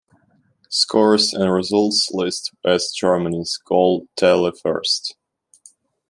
Scores and results list West Germany's goal tally first.